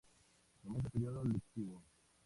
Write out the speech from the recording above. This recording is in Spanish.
Comienza el período lectivo.